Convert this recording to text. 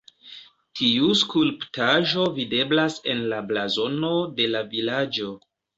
Tiu skulptaĵo videblas en la blazono de la vilaĝo.